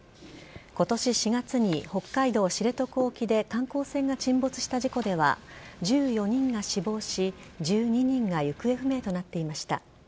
今年４月に北海道知床沖で観光船が沈没した事故では１４人が死亡し、１２人が行方不明となっていました。